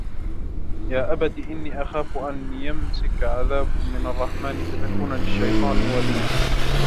يا أبت إني أخاف أن يمسك عذاب من الرحمن فتكون للشيطان وليا